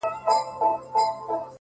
مـاتــه يــاديـــده اشـــــنـــا _